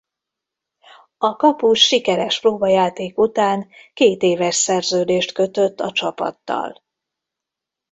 A kapus sikeres próbajáték után kétéves szerződést kötött a csapattal.